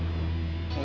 lo gak setuju dong